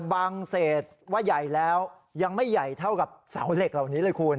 บางเศษว่าใหญ่แล้วยังไม่ใหญ่เท่ากับเสาเหล็กเหล่านี้เลยคุณ